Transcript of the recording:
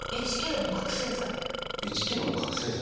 １キロの覚せい剤。